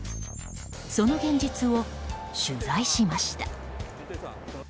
その現実を取材しました。